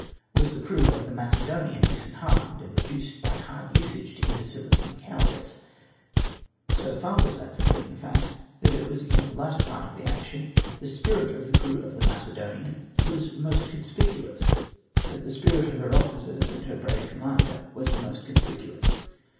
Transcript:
Was the crew of the Macedo nian disheartened and reduced by hard usage to imbecility and cowardice ? So far Avas that from being the fact, that it was in the latter part of the action the spirit of the crew of the Macedonian was most conspicuous, that the spirit of her officers and her brave commander was most conspicuous.